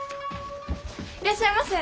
いらっしゃいませ。